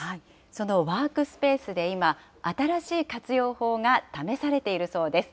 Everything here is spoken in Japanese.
そのワークスペースで今、新しい活用法が試されているそうです。